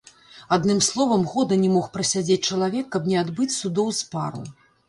Адным словам, года не мог прасядзець чалавек, каб не адбыць судоў з пару.